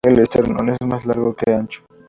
El esternón es más largo que ancho.